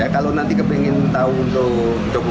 kalau nanti kepingin tahu untuk jokowi